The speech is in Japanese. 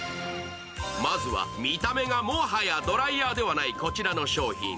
まずは見た目がもはやドライヤーではないこちらの商品。